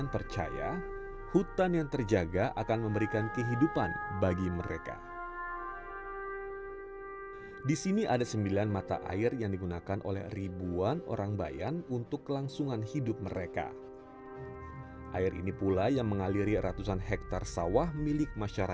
pesantren dan santri